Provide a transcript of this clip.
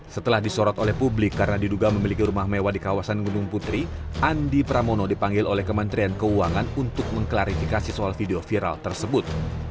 setelah disorot oleh publik karena diduga memiliki rumah mewah di kawasan gunung putri andi pramono dipanggil oleh kementerian keuangan untuk mengklarifikasi soal video viral tersebut